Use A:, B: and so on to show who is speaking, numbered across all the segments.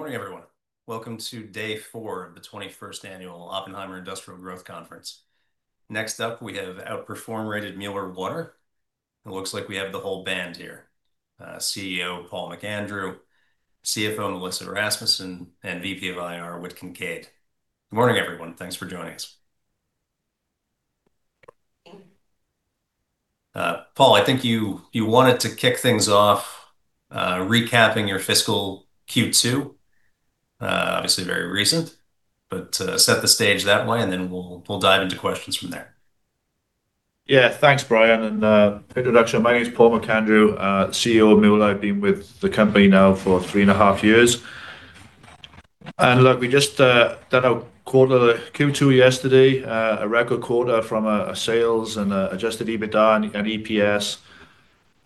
A: Good morning, everyone. Welcome to day four of the 21st Annual Oppenheimer Industrial Growth Conference. Next up, we have outperformed rated Mueller Water. It looks like we have the whole band here. CEO Paul McAndrew, CFO Melissa Rasmussen, and VP of IR Whit Kincaid. Good morning, everyone. Thanks for joining us. Paul, I think you wanted to kick things off, recapping your fiscal Q2. Obviously very recent, but set the stage that way, and then we'll dive into questions from there.
B: Yeah. Thanks, Bryan. Introduction, my name's Paul McAndrew, CEO of Mueller. I've been with the company now for three and a half years. Look, we just, done our quarter, Q2 yesterday, a record quarter from a sales and adjusted EBITDA and EPS.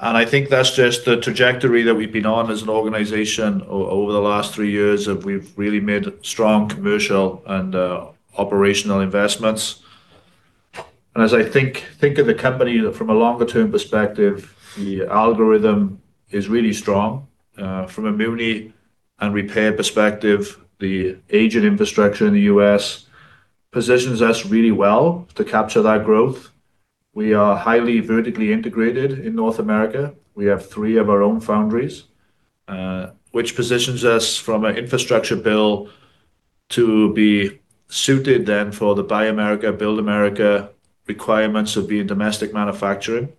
B: I think that's just the trajectory that we've been on as an organization over the last three years of we've really made strong commercial and operational investments. As I think of the company from a longer-term perspective, the algorithm is really strong. From a muni and repair perspective, the aging infrastructure in the U.S. positions us really well to capture that growth. We are highly vertically integrated in North America. We have three of our own foundries, which positions us from an infrastructure bill to be suited then for the Buy America, Build America requirements of being domestic manufacturing.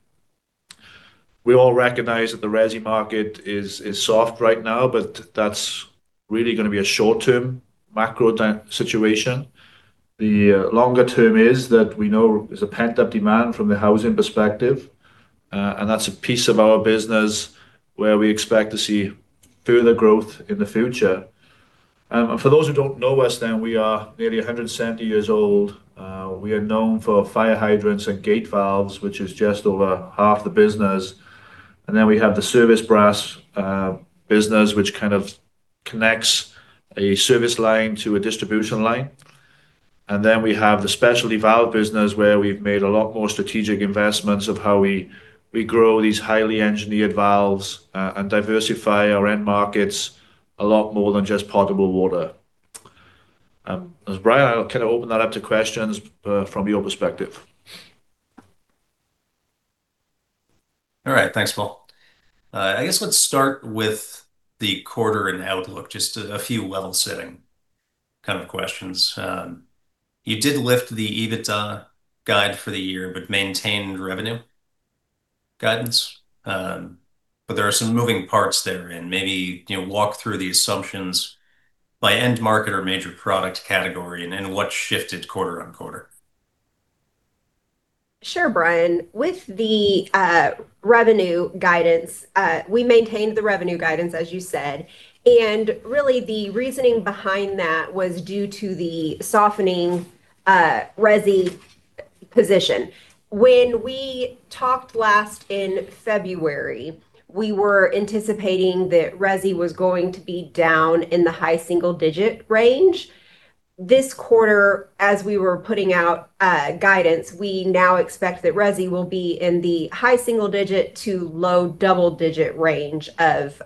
B: We all recognize that the resi market is soft right now, but that's really gonna be a short-term macro down situation. The longer term is that we know there's a pent-up demand from the housing perspective, and that's a piece of our business where we expect to see further growth in the future. For those who don't know us, then we are nearly 170 years old. We are known for fire hydrants and gate valves, which is just over half the business. We have the service brass business, which kind of connects a service line to a distribution line. We have the specialty valve business, where we've made a lot more strategic investments of how we grow these highly engineered valves, and diversify our end markets a lot more than just potable water. As Bryan Blair, I'll kind of open that up to questions from your perspective.
A: All right. Thanks, Paul. I guess let's start with the quarter and outlook, just a few level setting kind of questions. You did lift the EBITDA guide for the year but maintained revenue guidance. There are some moving parts therein. Maybe, you know, walk through the assumptions by end market or major product category and what shifted quarter-over-quarter.
C: Sure, Bryan. With the revenue guidance, we maintained the revenue guidance, as you said. Really the reasoning behind that was due to the softening, resi position. When we talked last in February, we were anticipating that resi was going to be down in the high single-digit range. This quarter, as we were putting out guidance, we now expect that resi will be in the high single-digit to low double-digit range of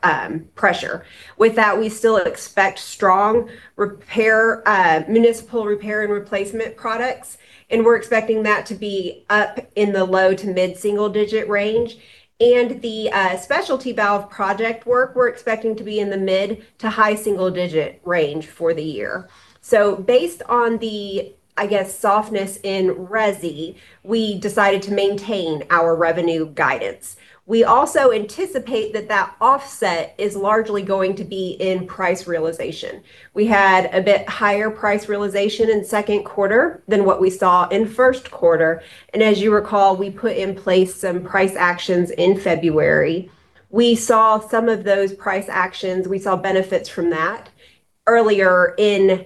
C: pressure. With that, we still expect strong repair, municipal repair and replacement products, and we're expecting that to be up in the low to mid-single-digit range. The specialty valve project work, we're expecting to be in the mid to high single-digit range for the year. Based on the, I guess, softness in resi, we decided to maintain our revenue guidance. We also anticipate that that offset is largely going to be in price realization. We had a bit higher price realization in second quarter than what we saw in first quarter. As you recall, we put in place some price actions in February. We saw some of those price actions. We saw benefits from that earlier in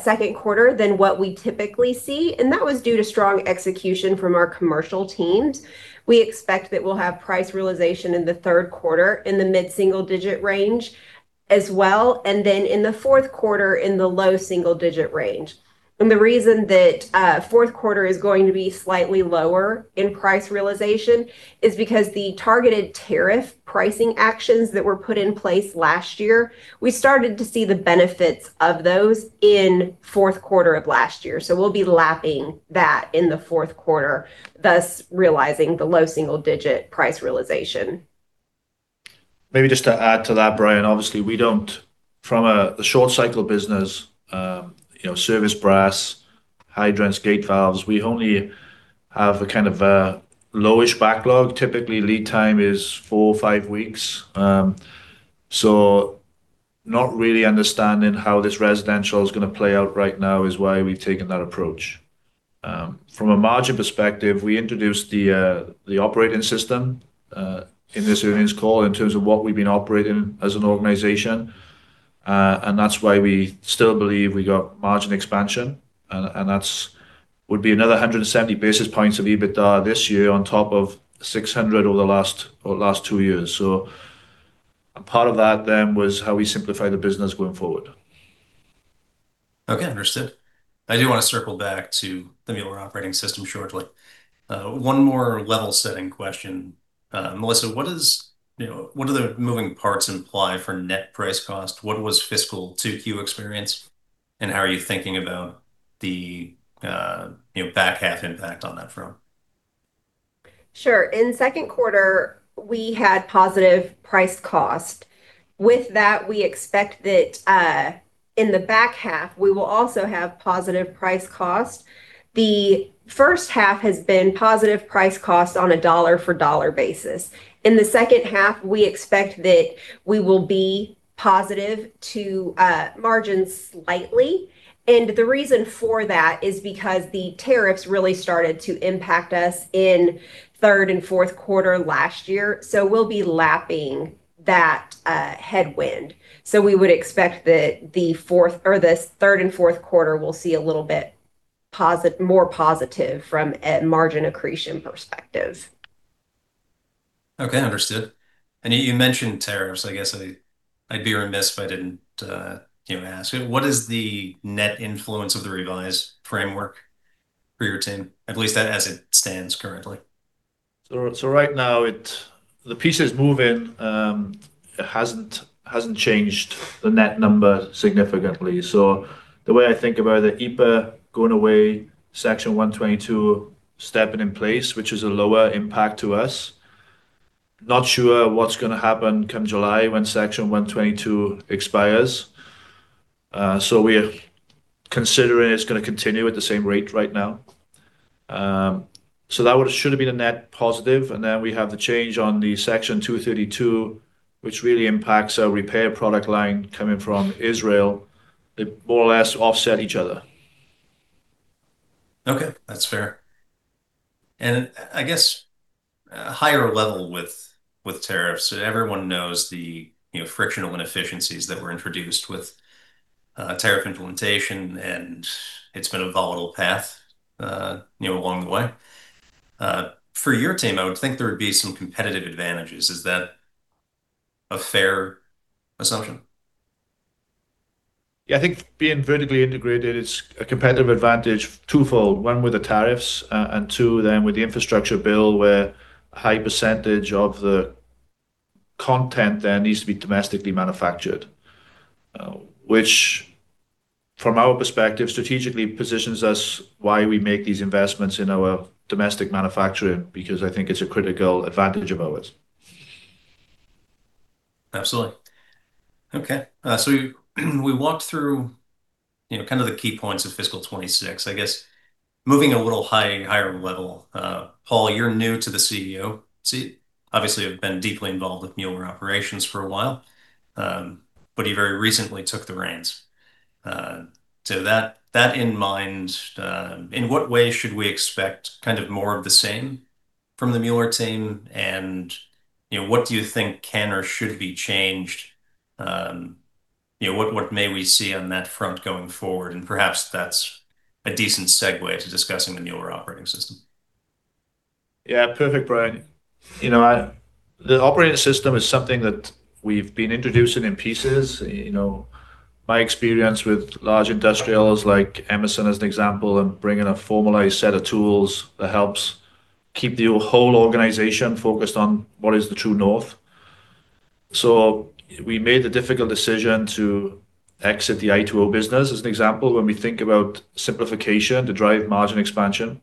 C: second quarter than what we typically see, and that was due to strong execution from our commercial teams. We expect that we'll have price realization in the third quarter in the mid-single digit range as well, and then in the fourth quarter in the low single digit range. The reason that fourth quarter is going to be slightly lower in price realization is because the targeted tariff pricing actions that were put in place last year, we started to see the benefits of those in fourth quarter of last year. We'll be lapping that in the fourth quarter, thus realizing the low single digit price realization.
B: Maybe just to add to that, Bryan, obviously we don't from a short cycle business, you know, service brass, hydrants, gate valves, we only have a kind of a low-ish backlog. Typically, lead time is four or five weeks. Not really understanding how this residential is gonna play out right now is why we've taken that approach. From a margin perspective, we introduced the Operating System in these earnings call in terms of what we've been operating as an organization. That's why we still believe we got margin expansion, and that would be another 170 basis points of EBITDA this year on top of 600 over the last two years. A part of that then was how we simplify the business going forward.
A: Okay. Understood. I do wanna circle back to the Mueller Operating System shortly. One more level-setting question. Melissa, what is, you know, what do the moving parts imply for net price cost? What was fiscal 2Q experience, and how are you thinking about the, you know, back half impact on that front?
C: Sure. In second quarter, we had positive price cost. We expect that in the back half, we will also have positive price cost. The first half has been positive price cost on a dollar for dollar basis. In the second half, we expect that we will be positive to margins slightly. The reason for that is because the tariffs really started to impact us in third and fourth quarter last year. We'll be lapping that headwind. We would expect that this third and fourth quarter will see a little bit more positive from a margin accretion perspective.
A: Okay. Understood. You mentioned tariffs. I guess I'd be remiss if I didn't, you know, ask. What is the net influence of the revised framework for your team, at least as it stands currently?
B: Right now the pieces moving, hasn't changed the net number significantly. The way I think about it, EPA going away, Section 122 stepping in place, which is a lower impact to us. Not sure what's gonna happen come July when Section 122 expires. We are considering it's gonna continue at the same rate right now. That should have been a net positive, then we have the change on the Section 232, which really impacts our repair product line coming from Israel. They more or less offset each other.
A: Okay. That's fair. I guess, a higher level with tariffs, everyone knows the, you know, frictional inefficiencies that were introduced with tariff implementation, and it's been a volatile path, you know, along the way. For your team, I would think there would be some competitive advantages. Is that a fair assumption?
B: Yeah. I think being vertically integrated is a competitive advantage twofold. One with the tariffs, and two then with the infrastructure bill, where a high percentage of the content there needs to be domestically manufactured, which from our perspective, strategically positions us why we make these investments in our domestic manufacturing, because I think it's a critical advantage of ours.
A: Absolutely. Okay. So we walked through, you know, kind of the key points of fiscal 2026. I guess moving a little higher level, Paul, you're new to the CEO seat. Obviously, you've been deeply involved with Mueller operations for a while, you very recently took the reins. That in mind, in what way should we expect kind of more of the same from the Mueller team? You know, what do you think can or should be changed? You know, what may we see on that front going forward? Perhaps that's a decent segue to discussing the Mueller Operating System.
B: Yeah. Perfect, Bryan. You know, the Mueller Operating System is something that we've been introducing in pieces. You know, my experience with large industrials like Emerson as an example, bringing a formalized set of tools that helps keep the whole organization focused on what is the true north. We made the difficult decision to exit the i2O business as an example, when we think about simplification to drive margin expansion.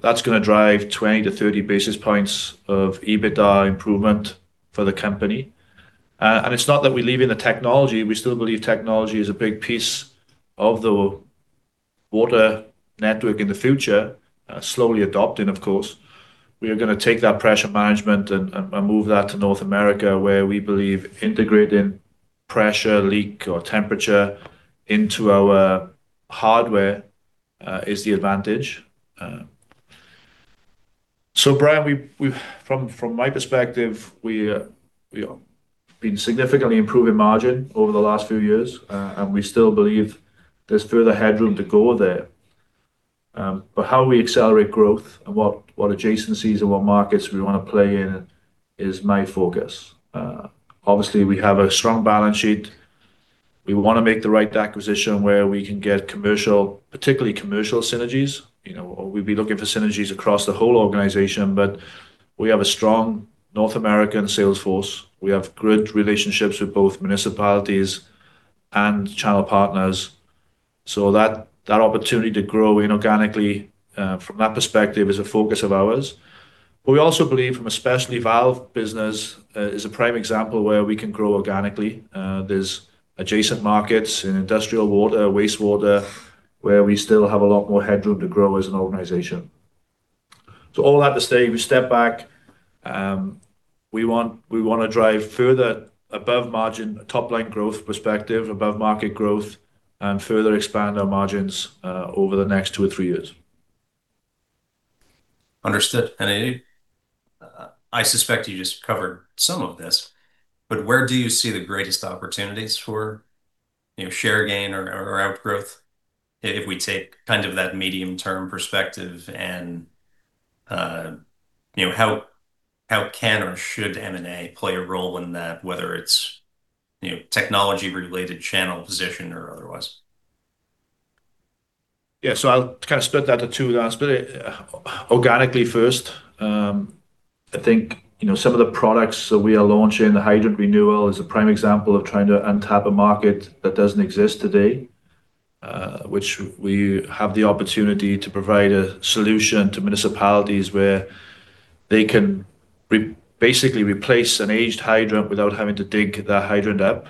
B: That's gonna drive 20 to 30 basis points of EBITDA improvement for the company. It's not that we're leaving the technology. We still believe technology is a big piece of the water network in the future, slowly adopting, of course. We are gonna take that pressure management and move that to North America, where we believe integrating pressure leak or temperature into our hardware is the advantage. Bryan, From my perspective, we are been significantly improving margin over the last few years, and we still believe there's further headroom to go there. How we accelerate growth and what adjacencies and what markets we wanna play in is my focus. Obviously, we have a strong balance sheet. We wanna make the right acquisition where we can get commercial, particularly commercial synergies. You know, we'd be looking for synergies across the whole organization, but we have a strong North American sales force. We have great relationships with both municipalities and channel partners. That opportunity to grow inorganically from that perspective is a focus of ours. We also believe from a specialty valve business is a prime example where we can grow organically. There's adjacent markets in industrial water, wastewater, where we still have a lot more headroom to grow as an organization. All that to say, we step back, we wanna drive further above margin, top-line growth perspective, above market growth, and further expand our margins over the next two or three years.
A: Understood. I suspect you just covered some of this, but where do you see the greatest opportunities for, you know, share gain or outgrowth if we take kind of that medium-term perspective? You know, how can or should M&A play a role in that, whether it's, you know, technology related channel position or otherwise?
B: Yeah. I will kind of split that to two halves. organically first, I think, you know, some of the products that we are launching, the Hydrant Renewal is a prime example of trying to untap a market that doesn't exist today. which we have the opportunity to provide a solution to municipalities where they can basically replace an aged hydrant without having to dig that hydrant up.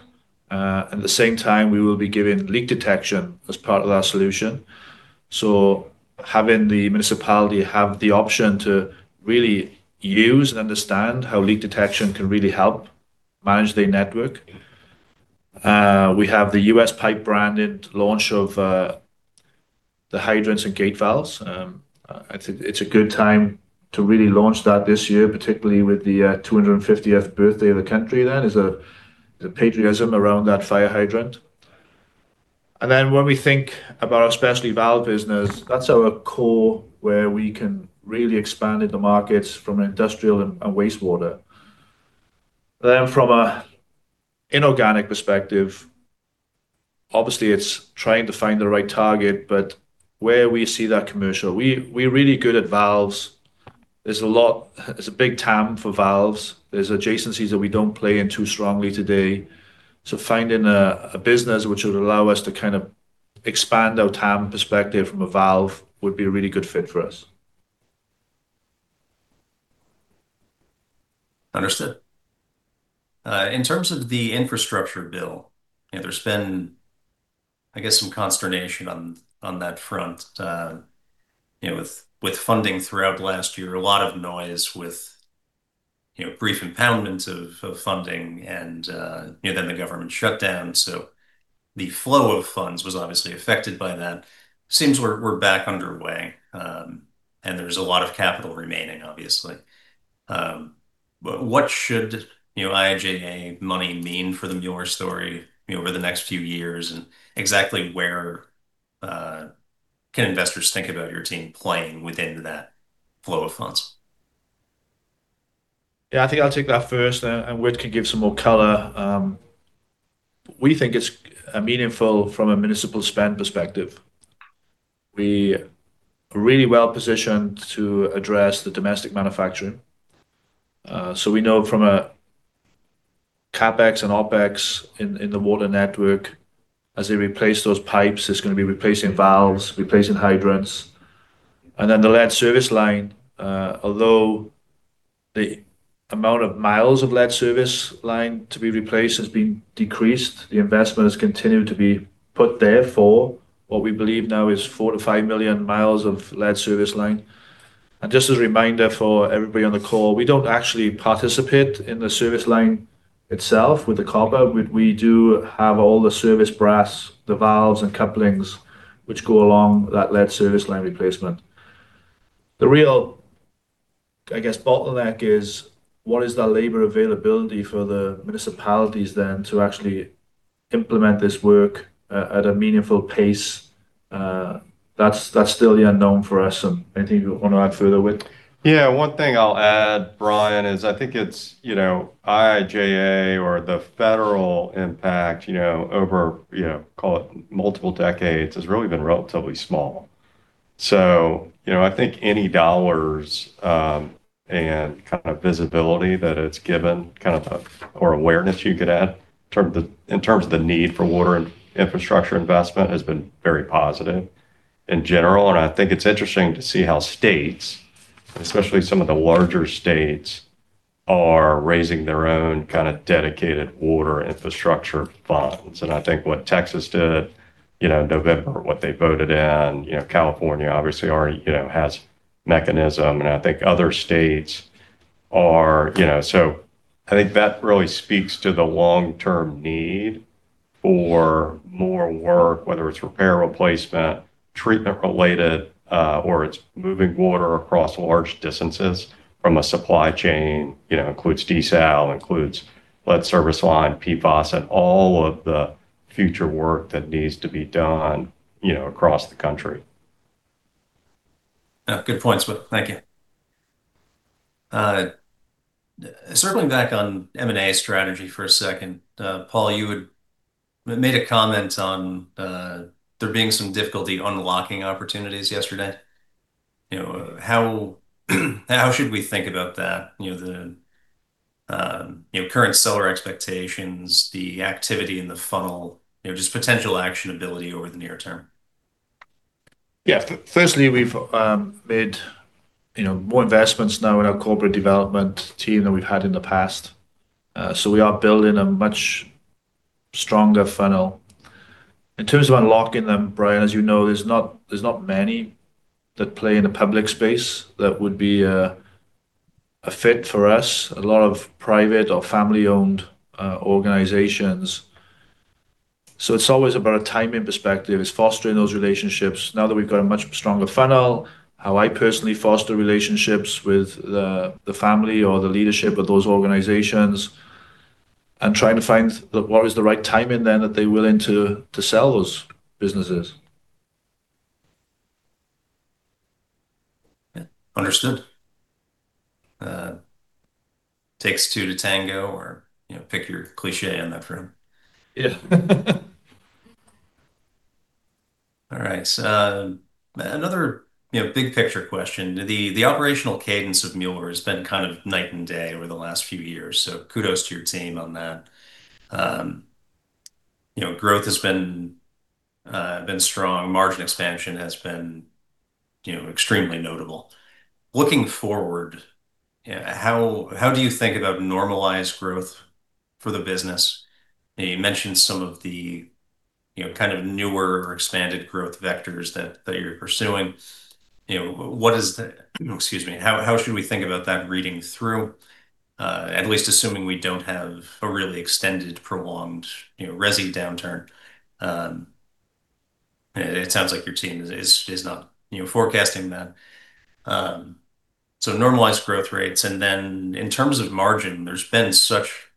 B: At the same time, we will be giving leak detection as part of that solution. Having the municipality have the option to really use and understand how leak detection can really help manage their network. We have the U.S. Pipe branded launch of the hydrants and gate valves. It's a good time to really launch that this year, particularly with the 250th birthday of the country then. There's a patriotism around that fire hydrant. When we think about our specialty valve business, that's our core where we can really expand into markets from an industrial and wastewater. From an inorganic perspective, obviously it's trying to find the right target, but where we see that commercial. We're really good at valves. There's a big TAM for valves. There's adjacencies that we don't play in too strongly today. Finding a business which would allow us to kind of expand our TAM perspective from a valve would be a really good fit for us.
A: Understood. In terms of the infrastructure bill, you know, there's been, I guess, some consternation on that front. You know, with funding throughout last year, a lot of noise with, you know, brief impoundment of funding and, you know, then the government shutdown. The flow of funds was obviously affected by that. Seems we're back underway, there's a lot of capital remaining, obviously. What should, you know, IIJA money mean for the Mueller story, you know, over the next few years? Exactly where can investors think about your team playing within that flow of funds?
B: Yeah, I think I'll take that first and Whit can give some more color. We think it's meaningful from a municipal spend perspective. We are really well positioned to address the domestic manufacturing. We know from a CapEx and OpEx in the water network, as they replace those pipes, it's gonna be replacing valves, replacing hydrants. The lead service line, although the amount of miles of lead service line to be replaced has been decreased, the investment has continued to be put there for what we believe now is 4 to 5 million miles of lead service line. Just as a reminder for everybody on the call, we don't actually participate in the service line itself with the copper. We do have all the service brass, the valves and couplings which go along that lead service line replacement. The real, I guess, bottleneck is what is the labor availability for the municipalities then to actually implement this work at a meaningful pace? That's still the unknown for us. Anything you wanna add further, Whit?
D: Yeah. One thing I'll add, Bryan, is I think it's IIJA or the federal impact over call it multiple decades has really been relatively small. I think any dollars and kind of visibility that it's given, kind of, or awareness you could add in terms of the need for water infrastructure investment has been very positive in general. I think it's interesting to see how states, especially some of the larger states, are raising their own kind of dedicated water infrastructure funds. I think what Texas did, you know, in November, what they voted in, you know, California obviously already, you know, has mechanism, and I think other states are. I think that really speaks to the long-term need for more work, whether it's repair, replacement, treatment related, or it's moving water across large distances from a supply chain, you know, includes desal, includes lead service line, PFAS, and all of the future work that needs to be done, you know, across the country.
A: Good points, Whit. Thank you. Circling back on M&A strategy for a second. Paul, you had made a comment on there being some difficulty unlocking opportunities yesterday. You know, how should we think about that? You know, the, current seller expectations, the activity in the funnel, you know, just potential actionability over the near term.
B: Yeah. Firstly, we've, you know, made more investments now in our corporate development team than we've had in the past. We are building a much stronger funnel. In terms of unlocking them, Bryan, as you know, there's not many that play in the public space that would be a fit for us. A lot of private or family-owned organizations. It's always about a timing perspective. It's fostering those relationships. Now that we've got a much stronger funnel, how I personally foster relationships with the family or the leadership of those organizations and trying to find the right timing then are they willing to sell those businesses.
A: Yeah. Understood. Takes two to tango or, you know, pick your cliche on that front.
B: Yeah.
A: All right. Another, you know, big picture question. The operational cadence of Mueller has been kind of night and day over the last few years, kudos to your team on that. You know, growth has been strong. Margin expansion has been, you know, extremely notable. Looking forward, how do you think about normalized growth for the business? You mentioned some of the, you know, kind of newer or expanded growth vectors that you're pursuing. You know, Excuse me. How should we think about that reading through, at least assuming we don't have a really extended, prolonged, you know, resi downturn? It sounds like your team is not, you know, forecasting that. Normalized growth rates, then in terms of margin, there's been such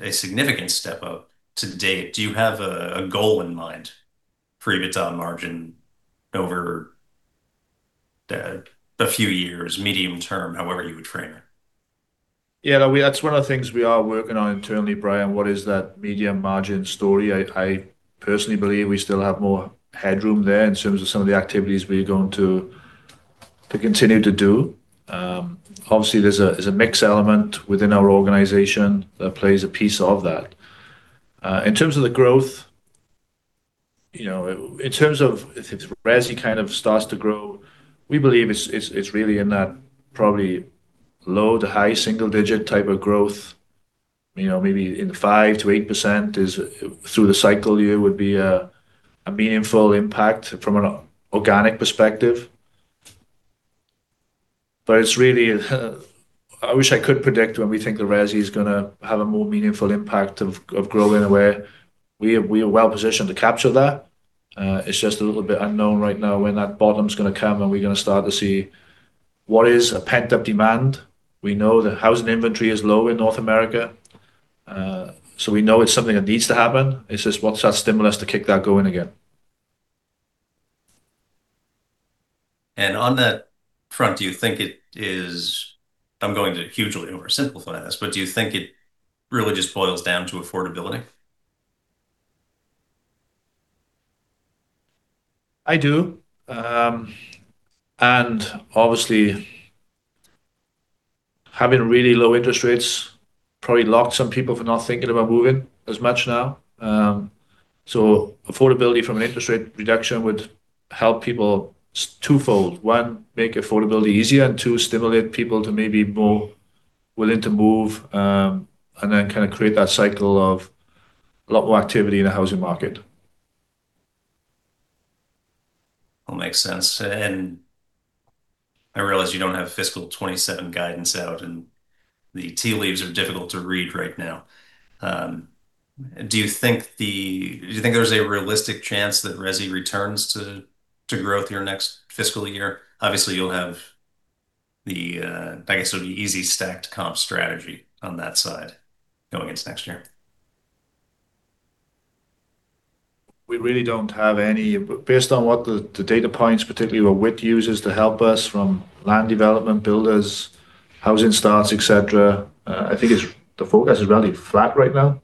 A: a significant step up to date. Do you have a goal in mind for EBITDA margin over a few years, medium term, however you would frame it?
B: Yeah, that's one of the things we are working on internally, Bryan, what is that medium margin story? I personally believe we still have more headroom there in terms of some of the activities we're going to continue to do. Obviously, there's a mix element within our organization that plays a piece of that. In terms of the growth, you know, in terms of if it's resi kind of starts to grow, we believe it's really in that probably low to high single digit type of growth. You know, maybe in the 5%-8% is through the cycle year would be a meaningful impact from an organic perspective. It's really, I wish I could predict when we think the resi is gonna have a more meaningful impact of growing where we are well positioned to capture that. It's just a little bit unknown right now when that bottom's gonna come and we're gonna start to see what is a pent-up demand. We know the housing inventory is low in North America, so we know it's something that needs to happen. It's just what's that stimulus to kick that going again.
A: On that front, do you think it is-- I'm going to hugely oversimplify this, do you think it really just boils down to affordability?
B: I do. Obviously, having really low interest rates probably locked some people for not thinking about moving as much now. Affordability from an interest rate reduction would help people twofold. One, make affordability easier, and two, stimulate people to maybe more willing to move, kind of create that cycle of a lot more activity in the housing market.
A: All makes sense. I realize you don't have fiscal 2027 guidance out, and the tea leaves are difficult to read right now. Do you think there's a realistic chance that resi returns to growth your next fiscal year? Obviously, you'll have the, I guess it would be easy stacked comp strategy on that side going into next year.
B: We really don't have any Based on what the data points, particularly what Whit uses to help us from land development, builders, housing starts, et cetera, I think the forecast is fairly flat right now.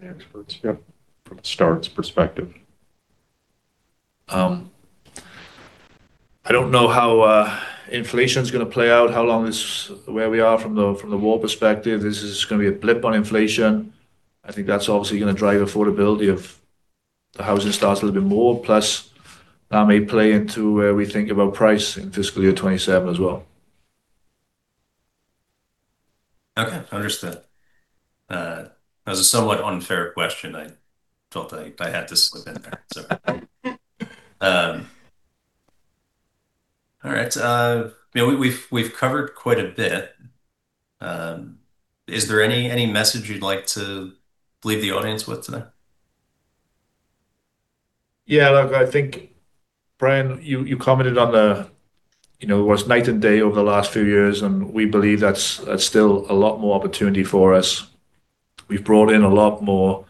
D: The experts, yep, from a starts perspective.
B: I don't know how inflation's gonna play out, how long this, where we are from the war perspective. This is gonna be a blip on inflation. I think that's obviously gonna drive affordability of the housing starts a little bit more, plus that may play into where we think about price in fiscal year 2027 as well.
A: Okay. Understood. That was a somewhat unfair question I thought I had to slip in there, so. All right. You know, we've covered quite a bit. Is there any message you'd like to leave the audience with today?
B: Yeah, look, I think, Bryan, you commented on the, you know, it was night and day over the last few years. We believe that's still a lot more opportunity for us. We've brought in a lot more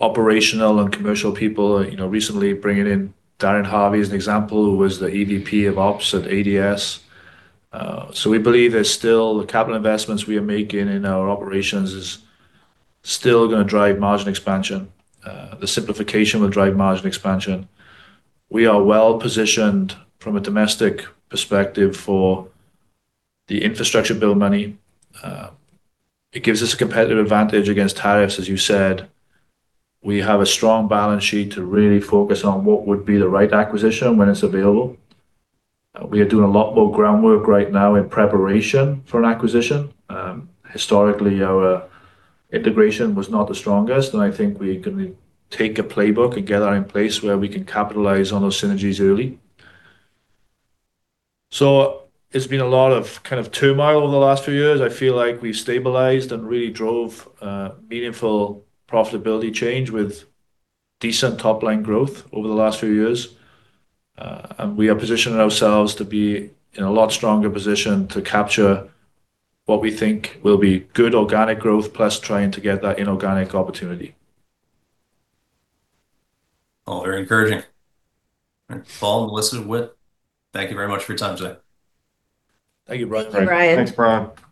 B: operational and commercial people. You know, recently bringing in Darin Harvey as an example, who was the EVP of Ops at ADS. We believe there's still the capital investments we are making in our operations is still gonna drive margin expansion. The simplification will drive margin expansion. We are well-positioned from a domestic perspective for the Infrastructure Bill money. It gives us a competitive advantage against tariffs, as you said. We have a strong balance sheet to really focus on what would be the right acquisition when it's available. We are doing a lot more groundwork right now in preparation for an acquisition. Historically, our integration was not the strongest, and I think we're gonna take a playbook and get that in place where we can capitalize on those synergies early. There's been a lot of kind of turmoil over the last few years. I feel like we've stabilized and really drove meaningful profitability change with decent top-line growth over the last few years. We are positioning ourselves to be in a lot stronger position to capture what we think will be good organic growth, plus trying to get that inorganic opportunity.
A: All very encouraging. Paul, Melissa, Whit, thank you very much for your time today.
B: Thank you, Bryan.
C: Thanks, Bryan.
D: Thanks, Bryan.